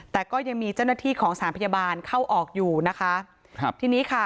แต่ก็ยังมีเจ้าหน้าที่ของสารพยาบาลเข้าออกอยู่นะคะครับทีนี้ค่ะ